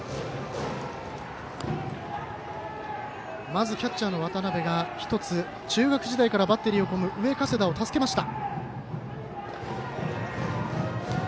まずキャッチャーの渡辺が中学時代からバッテリーを組む上加世田を助けました。